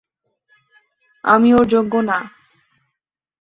আমি ওঁর যোগ্য না।